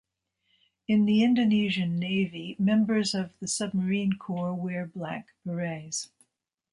In the Indonesian Navy, members of the Submarine Corps wear black berets.